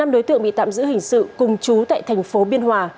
năm đối tượng bị tạm giữ hình sự cùng chú tại tp biên hòa